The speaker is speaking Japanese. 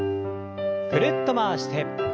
ぐるっと回して。